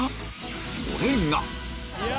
それが！